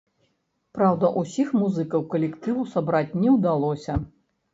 Праўда, усіх музыкаў калектыву сабраць не ўдалося.